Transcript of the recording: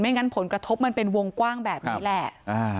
งั้นผลกระทบมันเป็นวงกว้างแบบนี้แหละ